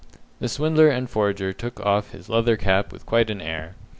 The swindler and forger took off his leather cap with quite an air.